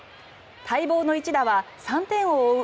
待望の一打は３点を追う